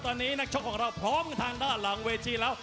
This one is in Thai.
ตอนนี้นักชกของเราพร้อมกันทางด้านหลังเวทีแล้ว